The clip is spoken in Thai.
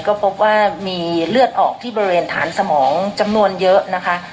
ก็พบว่ามีเลือดออกที่บริเวณฐานสมองจำนวนเยอะนะคะ